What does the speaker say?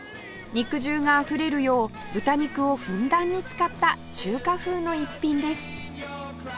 肉汁があふれるよう豚肉をふんだんに使った中華風の逸品です